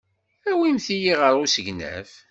Awimt-iyi ɣer usegnaf.